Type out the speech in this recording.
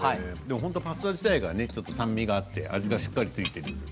パスタ自体が酸味があって味がしっかり付いています。